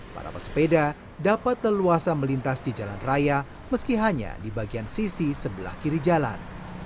para pesepeda dapat leluasa melintas di jalan raya meski hanya di bagian sisi sebelah kiri jalan